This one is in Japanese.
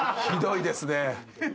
ひどいですね。